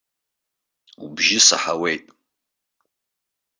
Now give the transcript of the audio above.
Убжьы саҳауеит.